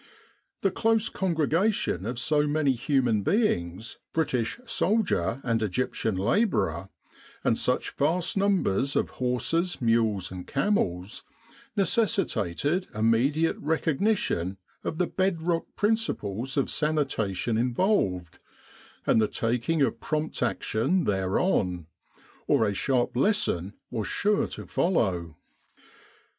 The close con gregation of so many human beings, British soldier and Egyptian labourer, and such vast numbers of horses, mules, and camels, necessitated immediate recognition of the bedrock principles of sanitation involved, and the taking of prompt action thereon, or a sharp lesson was sure to follow.